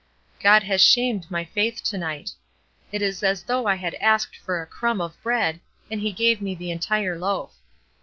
God has shamed my faith to night. It is as though I had asked for a crumb of bread, and he gave me the entire loaf.